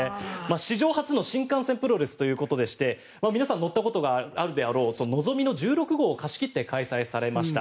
史上初の新幹線プロレスということでして皆さん乗ったことがあるであろうのぞみの１６号を貸し切って開催されました。